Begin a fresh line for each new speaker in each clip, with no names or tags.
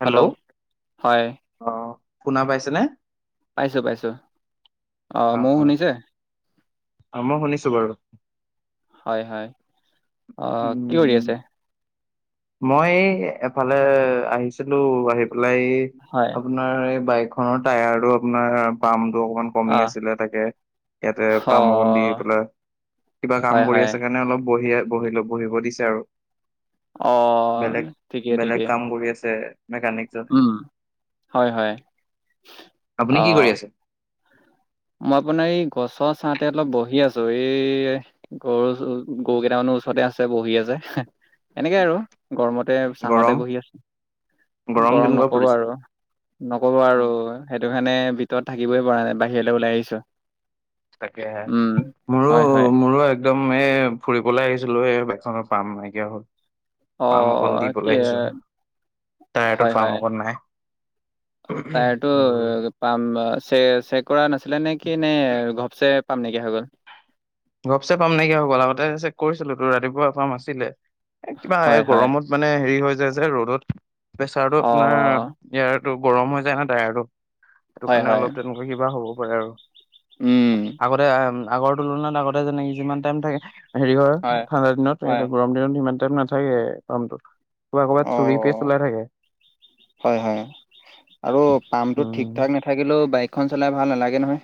Hello?
হয়
অ', শুনা পাইছেনে?
পাইছোঁ-পাইছোঁ। অ', ময়ো শুনিছে?
অ', মই শুনিছোঁ বাৰু।
হয়, হয়, অ', কি কৰি
উম
আছে?
মই এফালে আহিছিলোঁ, আহি পেলাই
হয়
আপোনাৰ আপোনাৰ এই বাইকখনৰ টায়াৰ টো আপোনাৰ পাম্পটো অকণমান
অ
কমি আছিলে তাকে, ইয়াতে
অ
পাম অকন দি পেলাই কিবা কাম
হয়
কৰি
হয়
আছে কাৰণে অলপ বহিয় বহিলোঁ, বহিব দিছে আৰু।
অ ঠিকে ঠিকে
বেলেগ-বেলেগ কাম কৰি আছে মেকানিক।
উম হয় হয় অ
আপুনি কি কৰি আছে?
মই আপোনাৰ এই গছৰ ছাহতে অলপ বহি আছোঁ, এই গৰু-গৰু কেইটামানৰ ওচৰতে আছে বহি আছে এনেকে আৰু। গৰমতে
গৰম
ছাঁহতে বহি আছোঁ, গৰম
কেনেকুৱা
নক'ব
পৰিছে?
আৰু। নকব আৰু
উম,
সেইটো কাৰণে ভিতৰত থাকিবই পৰা নাই বাহিৰলৈ ওলাই আহিছোঁ।
তাকেহে মোৰো-মোৰো এক একদম এ ফুৰিবলৈ আহিছিলোঁ, এই বকখনৰ পাম নাইকিয়া হ'ল।
অ
পাম অকণ দিব
কি
লৈ আহিছোঁ। [unintelligible] পাম অকণ নাই।
তাৰটো
উম
পাম চে চেক কৰা নাছিলে নে কি নে ঘপচে পাম নেকিয়া হৈ গ'ল?
গপচে পাম নাইকিয়া হয় গ'ল আগতে চেক কৰিছিলোঁ তো ৰাতিপুৱা পাম আছিলে। কিবা
হয়
এই
হয়
গৰমত মানে হেৰি হৈ যায় যে ৰ'দত, প্ৰেচাৰটো
অ
আপোনাৰ এয়াৰটো গৰম হৈ যায় ন তাইৰটো, সেইটো
হয়
কাৰণে
হয়
অলপ তেনেকুৱা কিবা হ'ব পাৰে আৰু।
উম।
আগতে আগৰ তুলনাত আগতে যেনেকে যিমান টাইম থাকে হেৰি হয় ঠাণ্ডা দিনত
হয়
এইটো গৰম দিনত ইিমান টাইম নাথাকে পামটো। ক'ৰবাত
অ
ক'ৰবাত চুৰি কেছ চলাই থাকে।
হয়, হয়। আৰু পাম্পটো ঠিক
উম
ঠাক নাথাকিলেও বাইকখন চলাই ভাল নালাগে নহয়।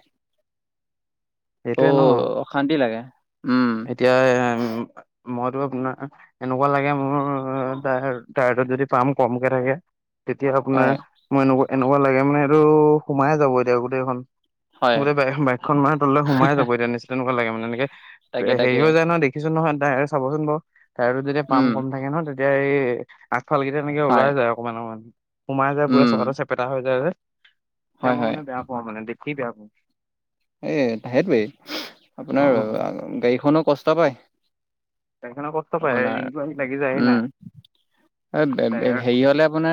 সেইটোয়ে
অ', অশান্তি লাগে, উম।
হয়, হয়, উম। মইতো আপোনাৰ এনেকুৱা লাগে মোৰ তাইৰটো যদি পাম কমকে থাকে তেতিয়া আপোনাৰ
হয়
মই এনেকুৱা-এনেকুৱা লাগে মানে এইটো সোমাইে যাব এতিয়া গোটেইখন।
হয়
গোটেই বাইকখন মাহৰ তললৈ সোমাই যাব এতিয়া নিশ্চয় তেনেকুৱা লাগে মানে এনেকে,
তাকে
হেৰী
তাকে
হয় যায় নহয় দে কিছো নহয় তাই চাবচোন বাৰু, তাইৰটোত যেতিয়া পাম
উম
কম থাকে নহয় তেতিয়া এই আগফালকেইটা এনেকে
হয়
ওলাই যায় অকণমান-অকমান, সোমাই যায় পুৰা
উম
চকাতে চেপেটা হৈ যায় যে। তেতিয়া
হয়
মই
হয়
মানে বেয়া পাওঁ মানে দেখি বেয়া পাওঁ।
এই তাহেটোৱেই, আপোনাৰ
অ'
গাড়ীখনো কষ্ট পায়।
বাইকখনে কষ্ট পায়
আপোনাৰ
ৰিংকু আহি লাগি যায়হি নাই
উম।
টায়াৰ
হেৰি হলে মানে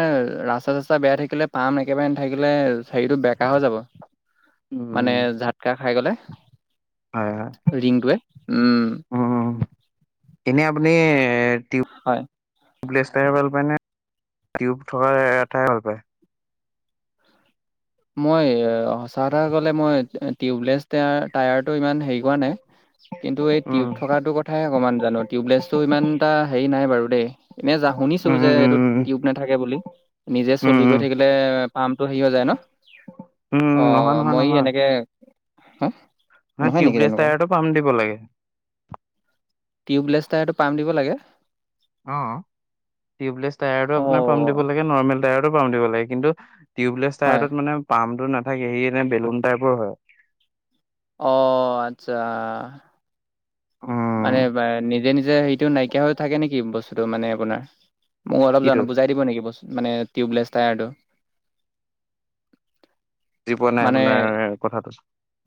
ৰাস্তা চাস্তা বেয়া থাকিলে পাম একেবাৰে নাথাকিলে হোৰৰিতো বেকা হৈ যাব।
উম।
মানে যাতকা খাই গ'লে
হয় হয়
ৰিংটোৱে, উম।
উম, এনেই আপুনি
হয়।
প্লেছাই ভাল পায় নে টিউব থকাৰ এটাই ভাল পায়?
মই সঁচা কথা ক'লে মই টিউবলেছ টাৰ টায়াৰটো ইমান হেৰি কৰা নাই।
[unintelligible]
কিন্তু এই
উম,
টিউব থকাটো কথায়ে অকণমান জানো টিউবলেছটো ইমান এটা হেৰি নাই বাৰু দেই। এনে শুনিছো
উম,
যে
উম, উম,
এইটো টিউব নাথাকে বুলি নিজে
উম,
চলি গৈ
উম,
থাকিলে পামটো হেৰি হৈ যায় ন,
উম, নহয়,
অ',
নহয়,
মই
নহয়।
এনেকে সম্
নহয় টিউবলেছ টায়াৰটো পাম দিব লাগে।
টিউবলেছ তাইয়াৰত টো পাম দিব লাগে।
অ', টিউবলেছ টায়াৰটো আপোনাৰ পাম
অঁ
দিব লাগে নৰ্মেল টায়াৰো পাম দিব লাগে কিন্তু টিউবলেছ
হয়
টায়াৰটোত মানে পাম্পটো নাথাকে সে এনে বেলুন টাইপৰ হয়।
অ', আচ্ছা।
উম।
মানে নিজে নিজে সেইটো নাইকিয়া হৈ থাকে নেকি বস্তুটো মানে আপোনাৰ। মোক অলপ জ
কিটো?
বুজাই দিব নেকি বস্ত মানে টিউবলেছ টায়াৰটো।
বুজি পোৱা নাই
মানে
আপোনাৰ কথাটো।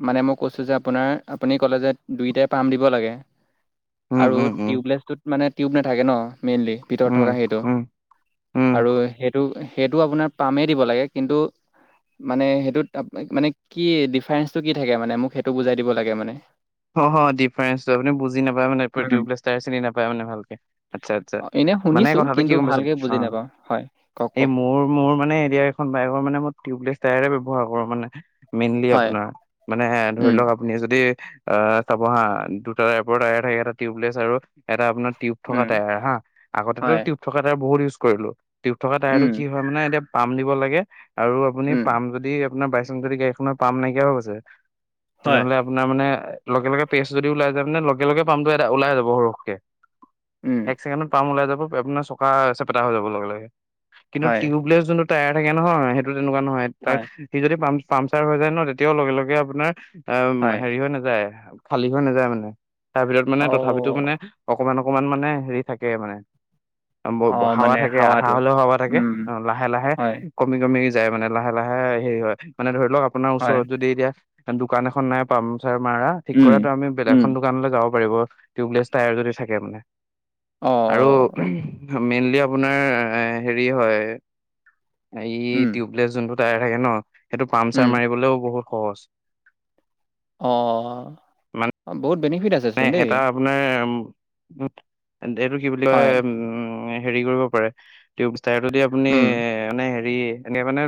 মানে মই কৈছোঁ যে আপোনাৰ আপুনি ক'লে যে দুইটাই পাম দিব লাগে।
উম,
আৰু
উম, উম,
টিউবলেছটোত মানে টিউব নাথাকে ন মেইনলি ভিতৰত
উম,
থকা সেইটো।
উম, উম।
আৰু সেইটো সেইটো আপোনাৰ পামেই দিব লাগে কিন্তু মানে সেইটোত মানে কি ডিফাৰেঞ্চটো কি থাকে মানে মোক সেইটো বুজাই দিব লাগে মানে।
অ ডিফাৰেঞ্চটো আপুনি বুজি নাপায় মানে
উম,
টিউব লেছ টায়াৰ চিনি নাপায় মানে ভালকে আচ্ছা আচ্ছা।
অ', এনে
মানে
শুনিছোঁ
কথাটো কি
কিন্তু
গম পাইছে
ভালকে বুজি
অ'
নাপাওঁ হয় কওক
এই
কওক
মোৰ মোৰ মানে এতিয়া বাই মানে মই টিউবলেছ টায়াৰে ব্যৱহাৰ কৰো মানে মেইনলি
হয়
আপোনাৰ মানে ধৰি
উম,
লওক আপুনি যদি আহ চাব হা দুটা টাইপৰ টায়াৰ থাকে এটা টিউবলেছ আৰু এটা আপোনাৰ টিউব থকা
উম,
টায়াৰ হা আগতেতো
হয়।
টিউব থকা টায়াৰ বহুত ইউজ কৰিলো টিউব থকা টায়াৰ টো কি হয় মানে এতিয়া পাম দিব লাগে আৰু আপুনি পাম যদি আপোনাৰ বাইচেন্স যদি গাড়ীখনৰ পাম নাইকিয়া হৈ গৈছে। তেনেহ'লে আপোনাৰ মানে লগে লগে পেষ্ট যদি ওলাই যায় মানে লগে লগে পামটো এটা ওলাই যাব সৰহকে।
উম।
এক ছেকেণ্ডত পাম ওলাই যাব আপোনাৰ চকা চেপেটা হৈ যাব লগে লগে। কিন্তু টিউবলেছ যোনটো টায়াৰ থাকে নহয় সেইটো তেনেকুৱা নহয় তাক সি যদি পাম পামচাৰ হৈ যায় ন, তেতিয়াও লগে- লগে আপোনাৰ অ', উম হেৰি হৈ নাযায় খালী হৈ নাযায় মানে তাৰ ভিতৰত মানে তথাপিতো মানে অকমান- অকমান মানে হেৰি থাকে মানে। হাৱা থাকে আধা
হাৱাটো।
হলেও হাৱা থাকে
উম,
অ লাহে- লাহে
হয়,
কমি কমি যায় মানে লাহে -লাহে হেৰি হয় মানে ধৰি লওক আপোনাৰ
হয়।
ওচৰত যদি এতিয়া দোকান এখন নাই পাম চাৰ মাৰা ঠিক
উম,
কৰা তো আমি
উম।
বেলেগখন দোকানলৈ যাব পাৰিব টিউবলেছ টায়াৰ যদি থাকে মানে।
অ,
আৰু মেইনলি আপোনাৰ হেৰি হয়। এই
উম,
টিউবলেছ যোনটো টায়াৰ থাকে ন সেইটো
উম।
পামচাৰ মাৰিবলেও বহুত সহজ।
অ', বহুত বেনিফিট আছে
মানে
চোন দেই।
এটা আপোনাৰ এইটো কি বুলি কয়
হয়,
উম হেৰি কৰিব পাৰে। টিউব টায়াৰটোদি আপুনি
উম,
মানে হেৰি হেৰি এনেকে মানে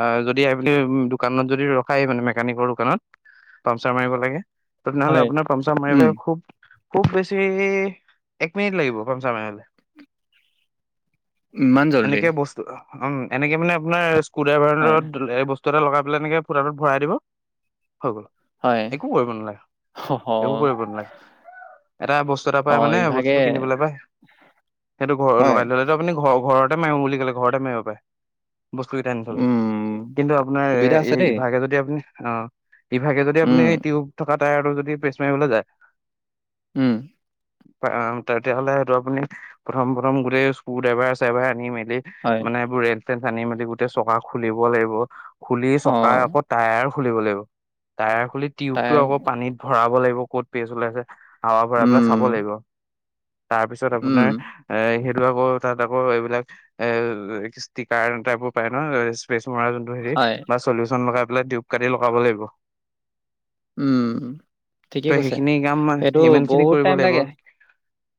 অ যদি আপুনি দোকানত যদি ৰখায় মানে মেকানিকৰ দোকানত পামচাৰ মাৰিব লাগে তেনেহলে
হয়,
আপোনাৰ পামচাৰ মাৰিব
উম,
খুব- খুব বেছি এক মিনিট লাগিব পামচাৰ মাৰিবলে।
ইমান জল্দি?
এনেকে বস্তু উম এনেকে মানে আপোনাৰ স্ক্ৰু ড্ৰাইভাৰৰ
হয়,
লগত এই বস্তু এটা লগাই পেলাই এনেকে ফুটাটোত ভৰাই দিব হৈ গ'ল।
হয়।
একো কৰিব নালাগে
অহ,
-একো কৰিব নালাগে এটা বচ পায়
অ,
মানে
ইভাগে
বস্তুটো কিনিবলৈ পায় সেইটো ঘৰ
হয়,
লগাই ল এইটো আপুনি ঘৰতে মাৰিম বুলি ক'লে ঘৰতে মাৰিব পাৰে। বস্তু গিটা আনি থলে
উম,
কিন্তু আপোনাৰ
সুবিধা আছে দেই।
ইভাগে যদি আপুনি অ। ইভাগে যদি আপুনি
উম,
টিউব থকা টায়াৰটো যদি প্ৰেছ মাৰিবলে যায়
উম।
তেতিয়াহ'লে সেইটো আপুনি প্ৰথম -প্ৰথম গোটেই স্কু ড্ৰাইভাৰ চাইভাৰ আনি মেলি
হয়।
মানে এইবোৰ একে আনি মেলি গোটেই চকা খুলিব লাগিব খুলি
অ,
চকাৰ আগত টায়াৰ খুলিব লাগিব, টায়াৰ খুলি টিউব
তাই
টো আকৌ পানীত ভৰাব লাগিব ক'ত পেষ্ট ওলাইছে। হাৱা ভৰাই পেলাই
উম,
চাব লাগিব তাৰ পিছত
উম,
আপোনাৰ এ সেইটো আকৌ তাত আকৌ এইবিলাক এ ষ্টিকাৰ টাইপৰ পায় ন, স্পেচ মৰা যোনটো হেৰি
হয়,
বা চলিউচন লগাই পেলাই টিউব কাটি লগাব লাগিব।
উম।
ত'
ঠিকে কৈছে।
সেইখিনি কামেই
সেইটো
সিমান খিনি
বহুত
কৰিব
টাইম
লাগিব।
লাগে।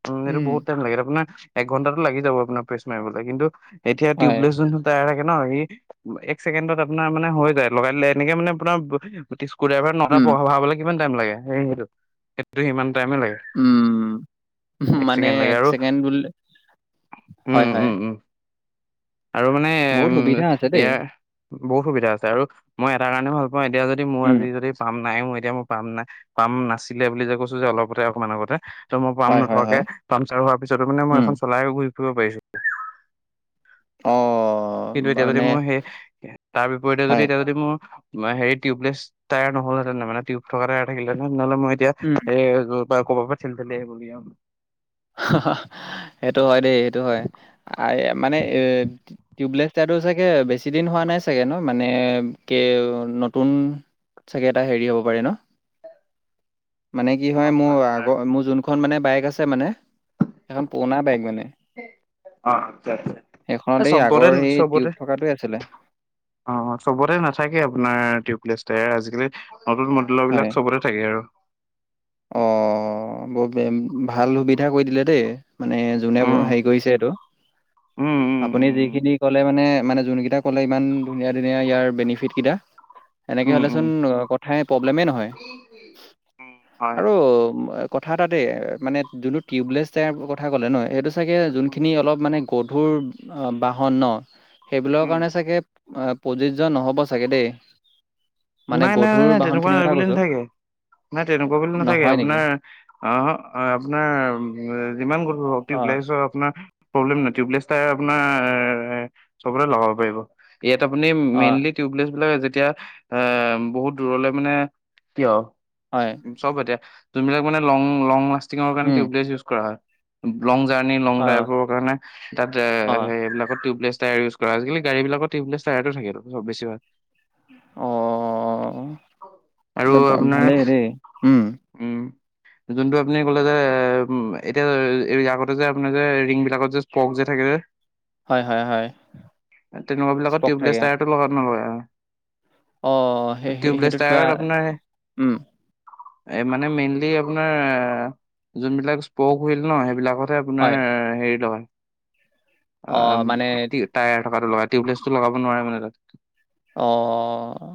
উম এইটো বহুত টাইম লাগে আপোনাৰ এঘণ্টাটো লাগি যাব আপোনাৰ প্ৰেছ মাৰিবলে কিন্তু এতিয়া
হয়,
টউবলেছ যোনটো তাই থাকে ন, সি এক ছেকেণ্ডত আপোনাৰ মানে হৈ যায় লগাই দিলে এনেকে মানে আপোনাৰ তিস্কু ড্ৰাইভাৰ নটা
উম,
পঢ়াবলে কিমান টাইম লাগে সেই সেইটো সেইটো সিমান টাইমেই লাগে।
উম,
এক
মানে
চেকেণ্ড লাগে আৰু
ছেকেণ্ড বুলি
উম
হয়, হয়।
উম উম। আৰু মানে
বহুত
উম
সুবিধা আছে তে।
ইয়াৰ বহুত সুবিধা আছে আৰু মই এটা কাৰণে ভাল পাওঁ এতিয়া যদি মোৰ
উম,
আজি যদি পাম নাই মোৰ এতিয়া মই পাম নাই পাম নাছিলে বুলি যে কৈছো যে অলপতে অকমান আগতে ত মই পাম
হয়, হয়,
নথকাকে
হয়,
পামচাৰ হোৱাৰ পিছতো মানে মই
উম,
এখন চলাই ঘুৰি ফুৰিব পাৰিছোঁ।
অ',
কিন্তু এতিয়া যদি
মানে
মোৰ সেই তাৰ বিপৰীতে যদি
হয়,
এতিয়া যদি মোৰ মই সেইত টউবলেচ টায়াৰ নহলহেতেন মানে টউব থকা টায়াৰ থাকিলে ন'হলে মই এতিয়া
উম,
এ ক'ৰবাৰ পৰা ঠেলি ঠেলি আহিব গে অ
[unintelligible] সেইটো হয় দেই সেইটো হয় আ মানে এ টিউবলেছ টায়াৰতোটো চাগে বেছি দিন হোৱা নাই চাগে ন, মানে কে নতুন চাগে এটা হেৰি হ'ব পাৰে ন।
[inaudible]
মানে কি হয়
নহয়
মোৰ
আপোনাৰ
আগৰ মোৰ যোনখন মানে বাইক আছে মানে সেখন পুৰণা বাইক মানে।
অ আচ্ছা আচ্ছা এ
সেইখনত এই
চবতে
আগৰ সেই
চবতে
টিউব থকাটোৱে আছিলে।
অ চবতে নাথাকে আপোনাৰ টিউপ্লেছাৰ আজিকালি নতুন মডেলৰ
হয়,
বিলাক চবৰে থাকে আৰু।
অ ব ভাল সুবিধা কৰি দিলে দেই মানে যোনে
উম
হেৰি কৰিছে এইটো
উম উম
আপুনি
উম
যিখিনি ক'লে মানে মানে যোনকেইটা ক'লে ইমান ধুনীয়া ধুনীয়া ইয়াৰ বেনিফিট কিটা এনেকে
উম উম
হ'লেচোন কথাই প্ৰব্লেমেই নহয়।
উম। হয়
[unintelligible] কথা তাতে মানে জোনটো টিয়ুবলেছ টায়াৰ কথা ক'লে ন, সেইটোছ চাগে
উম
যোনখিনি অলপ মানে গধুৰ বাহন ন, সেইবিলাকৰ
উম
কাৰণে চাগে প্ৰযোজ্য নহ'ব চাগে দে।
নাই নাই নাই নাই তেনেকুৱা নাই
কথা
বুলি
কৈছোঁ,
নাথাকে। নাই তেনেকুৱা বুলি নাথাকে
নহয় নেকি?
আপোনাৰ আহ আপোনাৰ যিমান গধুৰ হওঁক
অ',
টিউবলেছৰ আপোনাৰ প্ৰব্লেম নাই টউবলেছ আপোনাৰ চবতে লগাব পাৰিব। ইয়াত আপুনি
অ',
মেইনলি টিউবলেছ বিলাক যেতিয়া হেম বহুত দূৰলে মানে কিয়
হয়।
চব এতিয়া যোনবিলাক মানে লং লং লাষ্টিঙৰ কাৰণে
উম,
টিউবলেচ ইউজ কৰা হয়। লং জাৰ্ণি লং
অ',
ড্ৰাইভৰ কাৰণে তাত
অ'।
সেইবিলাকত টিউবলেছ টায়াৰ ইউজ আজিকালি গাড়ী বিলাকত টিউবলেছ টায়াৰ থাকে, চব বেছি ভাগ।
অ।
আৰু
তেতিয়া ভা
আপোনাৰ
ভালেই দেই,
উম যোনটো আপুনি কলে যে এতিয়া আগতে যে আপোনাৰ যে ৰিংবিলাকত যে পক যে থাকে যে
হয়, হয়, হয়।
তেনেকুৱা বিলাকত
স্পক
টিউবলেছ
থাকে অ'।
টায়াৰ লগত নলয়া অ
অ সেই সেইটোত কিবা,
টায়াৰত আপোনাৰ
উম।
এ মানে মেইনলি আপোনাৰ এ যোনবিলাক স্পক উইল ন সেইবিলাকত আছে
হয়,
আপোনাৰ হেৰি থকা। অ টায়াৰ থকাটো লগা টিউবলেছটো লগাব নোৱাৰে মানে তাত।
অঁ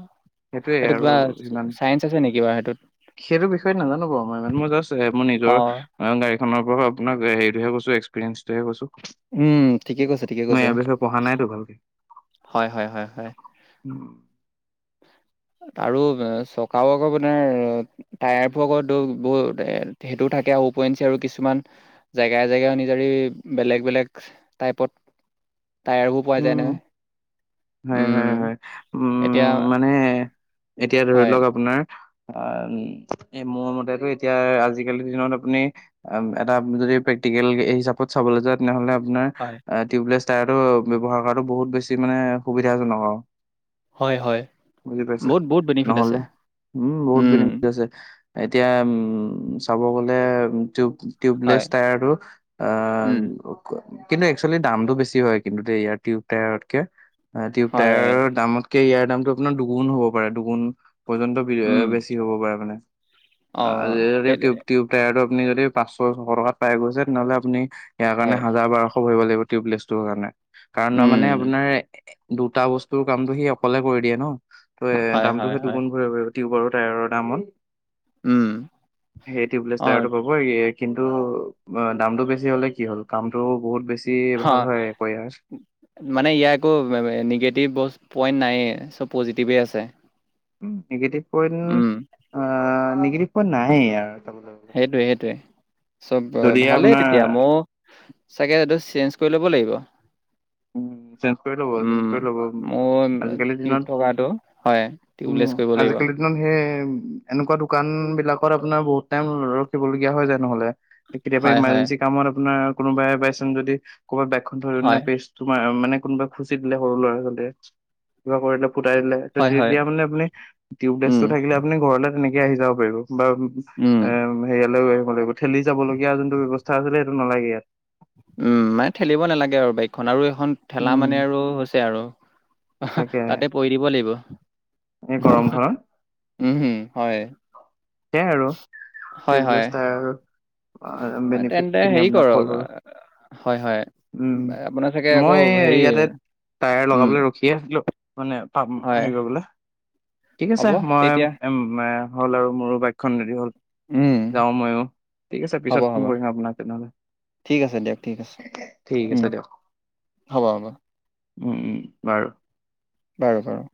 সেইটোয়ে
সেইটো
আৰু
কিবা
ইমান
চাইন্ঞ্চ আছে নেকি বাৰু সেইটোত।
সেইটো বিষয়ে নাজানো বাৰু মই ই মোৰ জাষ্ট এ মোৰ নিজৰ অ গাড়ীখনৰ পৰাও আপোনাক হেৰিটোহে কৈছো এক্সপিৰিেঞ্চটোহে কৈছো।
উম ঠিকে কৈছে ঠিকে
মই
কৈছে
ইয়াৰ বিষয়ে পঢ়া নাইতো ভালকে
হয় হয় হয় হয়।
উম।
আৰু চকাও আকৌ মানে টায়াৰবোৰ আকৌ বহু সেইটো থাকে আৰু উপৰিঞ্চি আৰু কিছুমান জেগাই জেগাই অনুজাৰী বেলেগ বেলেগ টাইপত। টায়াৰবোৰ পোৱা যায় নহয়।
হয়
উম,
হয় হয় উম
এতিয়া
মানে এতিয়া ধৰি
হয়,
লওক আপোনাৰ আ এ মোৰ মতেতো এতিয়া আজিকালিৰ দিনত আপুনি এটা যদি প্ৰেক্টিকেল হিচাপত চাবলে যোৱা তেনেহলে আপোনাৰ
হয়,
টিউবলেছ টায়াৰটো ব্যৱহাৰ কৰাতো বহুত বেছি মানে সুবিধাজনক আৰু।
হয়, হয়।
বুজি পাইছে
বহুত বহুত বেনিফিট
নহলে
আছে।
উম বহুত ঠিক আছে এতিয়া উম চাব গলে টিউব টিউবলেছ
হয়,
টায়াৰটো
উম,
অ কিন্তু একচুৱেলি দামতটো বেছি হয়। কিন্তু দেই ইয়াৰ টিউব টায়াৰতকে টিউব
হয়,
টায়াৰৰ দামত কে ইয়াৰ দামটো আপোনাৰ দুগুণ হ'ব পাৰে দুগুণ পৰ্যন্ত
উম,
বেছি হ'ব পাৰে মানে।
অ,
টিউব
সেইটোৱে
টিউব টায়াৰটো আপুনি যদি পাঁচশ ছয়শ টকাত পাই গৈছে, তেনেহ'লে আপুনি ইয়াৰ কাৰণে
হয়,
হাজাৰ বাৰশ ভৰিব লাগিব। টিউবলেছটোৰ কাৰণে। কাৰণ
উম,
মানে আপোনাৰ দুটা বস্তুৰ কামটো সি অকলে কৰি দিয়ে ন ত এ
হয়,
দামতটো
হয়,
সেই
হয়,
দুগুণ ভৰিব লাগিব। টিউব আৰু টায়াৰৰ দামত
উম,
সেই টিউবলেছ
অ,
টায়াৰটো হব' কিন্তু অ দামতটো বেছি হ'লে কি হ'ল কামতটো বহুত বেছি
হ,
ভাল হয়। আকৌ ইয়াৰ
মানে ইয়াৰ একো নিগেটিভ ব পইণ্ট নাই চব পজিটিভেই আছে।
উ negative point
um,
ah negative point নাই আৰু ত।
সেইটোৱে সেইটোৱে চব ভালেই
আপোনাৰ
তেতিয়া মইও চাগে এইটো চেঞ্জ কৰি ল'ব লাগিব।
উম। চেঞ্চ কৰি ল'ব চেঞ্চ
উম,
কৰি ল'ব
মোৰ
আজিকালি
টিউব
দিনত
থকাটো হয়,
উম
টিউবলেছ কৰিব লাগিব।
আজিকালি সেই এনেকুৱা দোকান বিলাকত আপোনাৰ বহুত টাইম ৰখিব লগীয়া হয় যায় নহলে। কেতিয়াবা
হয়, হয়,
ইমাৰ্জেঞ্চি কামত আপোনাৰ কোনোবাই বাইচানঞ্চ যদি কবাত বাইকখন থৈ কেনে
হয়,
তোমাৰ মানে কোনোবাই খুচি দিলে সৰু ল'ৰা ছোৱালীয়ে কিবা কৰিলে ফুটাই দিলে
হয়, হয়,
তেতিয়া মানে আপুনি
উম,
টিউবলেছটো থাকিলে আপুনি ঘৰলে তেনেকে আহি যাব পাৰিব বা
উম।
এ সেয়ালৈ লৈ আহিব লাগিব ঠেলি যাবলগীয়া যোনটো ব্যৱস্থা আছিলে সেইটো নালাগে ইয়াত।
মানে ঠেলিব নালাগে আৰু বাইকখন আৰু এইখন ঠেলা
উম,
মানে আৰু হৈছে আৰু
তাকে
তাতে পৰি দিব লাগিব।
এই গৰম খনত।
উম হুম হয়।
সেইয়াই আৰু
হয়, হয়,
টিউবলেছ টায়াৰ আৰু।
হয়, তেন্তে
বেনিফিটখিনি
হেৰি
আপোনাক
কৰক
কলো আৰু।
আহ, হয়, হয়।
উম
আপোনাৰ চাগে আকৌ
মই
হেৰি
ইয়াতে টায়াৰ
উম,
লগাবলৈ ৰখি আছিলোঁ মানে পাম
হয়,
হেৰি কৰিবলৈ ঠিক আছে
হ'ব
মই
তেতিয়া
হ'ল আৰু মোৰো বাইকখন ৰেডি হ'ল।
উম,
যাওঁ ময়ো ঠিক আছে
হ'ব,
পিছত ফোন
হ'ব,
কৰিম আপোনাক তেনেহ'লে।
ঠিক আছে দিয়ক ঠিক আছে
ঠিক
উম
আছে দিয়ক
হ'ব, হ'ব।
উম, উম বাৰু।
বাৰু, বাৰু।